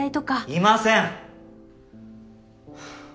いません！